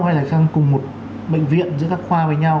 hay là sang cùng một bệnh viện giữa các khoa với nhau